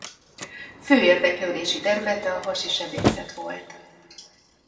Fő érdeklődési területe a hasi sebészet volt.